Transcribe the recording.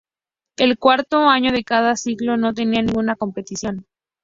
El cuarto año de cada ciclo no tenía ninguna competición.